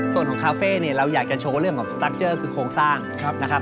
ส่วนของคาเฟ่เนี่ยเราอยากจะโชว์เรื่องของสตั๊กเจอร์คือโครงสร้างนะครับ